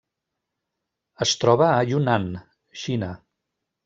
Es troba a Yunnan, Xina.